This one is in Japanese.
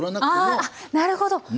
あなるほど。